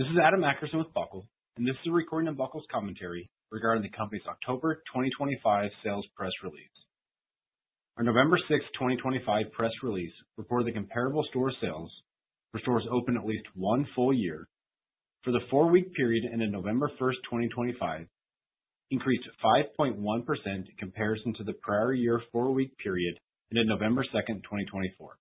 Hi, this is Adam Akerson with Buckle, and this is a recording of Buckle's commentary regarding the company's October 2025 sales press release. Our November 6, 2025 press release reported the comparable store sales for stores open at least one full year for the four-week period ended November 1, 2025. Increased 5.1% in comparison to the prior year four-week period ended November 2, 2024.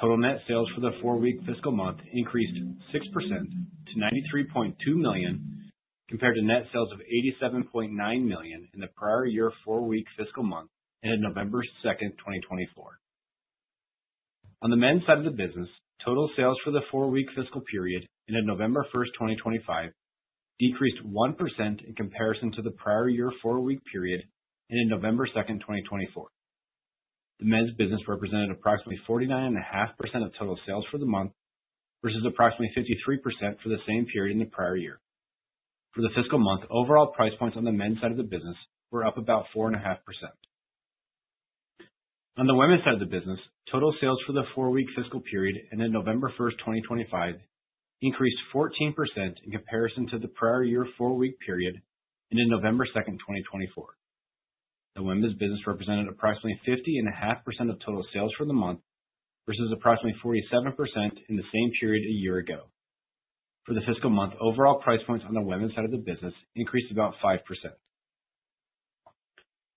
Total net sales for the four-week fiscal month increased 6% to $93.2 million. Compared to net sales of $87.9 million in the prior year four-week fiscal month ended November 2, 2024. On the men's side of the business, total sales for the four-week fiscal period ended November 1, 2025, decreased 1% in comparison to the prior year four-week period ended November 2, 2024. The men's business represented approximately 49.5% of total sales for the month versus approximately 53% for the same period in the prior year. For the fiscal month, overall price points on the men's side of the business were up about 4.5%. On the women's side of the business, total sales for the four-week fiscal period ended November 1, 2025, increased 14% in comparison to the prior year four-week period ended November 2, 2024. The women's business represented approximately 50.5% of total sales for the month versus approximately 47% in the same period a year ago. For the fiscal month, overall price points on the women's side of the business increased about 5%.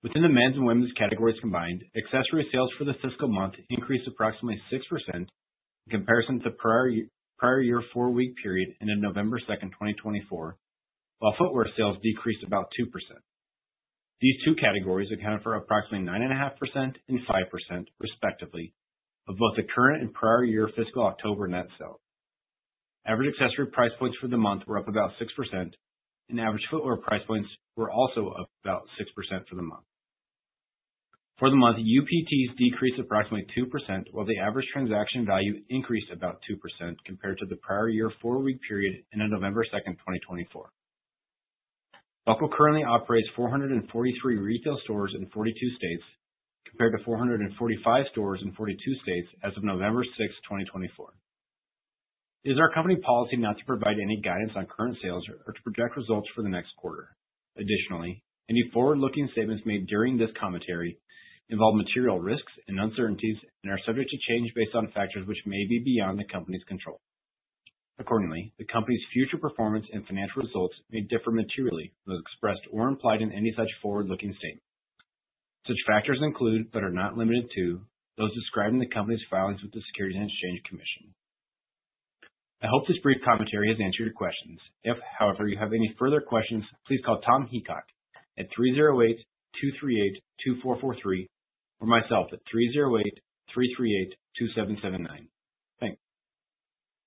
Within the men's and women's categories combined, accessory sales for the fiscal month increased approximately 6% in comparison to the prior year four-week period ended November 2, 2024, while footwear sales decreased about 2%. These two categories accounted for approximately 9.5% and 5%, respectively, of both the current and prior year fiscal October net sales. Average accessory price points for the month were up about 6%, and average footwear price points were also up about 6% for the month. For the month, UPTs decreased approximately 2%, while the average transaction value increased about 2% compared to the prior year four-week period ended November 2, 2024. Buckle currently operates 443 retail stores in 42 states compared to 445 stores in 42 states as of November 6, 2024. It is our company policy not to provide any guidance on current sales or to project results for the next quarter. Additionally, any forward-looking statements made during this commentary involve material risks and uncertainties and are subject to change based on factors which may be beyond the company's control. Accordingly, the company's future performance and financial results may differ materially from those expressed or implied in any such forward-looking statement. Such factors include, but are not limited to, those described in the company's filings with the Securities and Exchange Commission. I hope this brief commentary has answered your questions. If, however, you have any further questions, please call Tom Heacock at 308-238-2443 or myself at 308-338-2779. Thanks.